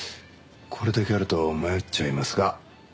これだけあると迷っちゃいますが。